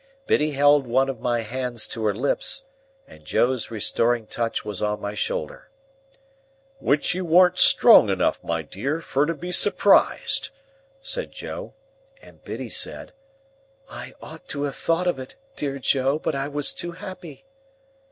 Biddy held one of my hands to her lips, and Joe's restoring touch was on my shoulder. "Which he warn't strong enough, my dear, fur to be surprised," said Joe. And Biddy said, "I ought to have thought of it, dear Joe, but I was too happy."